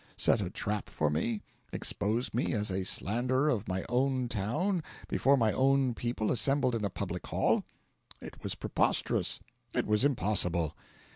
set a trap for me? expose me as a slanderer of my own town before my own people assembled in a public hall? It was preposterous; it was impossible.